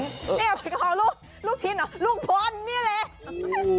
นี่ผัดกะเพราลูกลูกชิ้นเหรอลูกปอนต์นี่แหละ